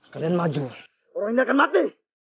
kalian maju orang ini akan mati